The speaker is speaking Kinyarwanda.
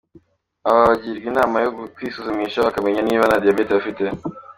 Aba bagirwa inama yo kwisuzumisha bakamenya niba nta diabète bafite.